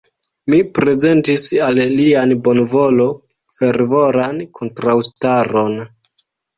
Mi prezentis al lia bonvolo fervoran kontraŭstaron.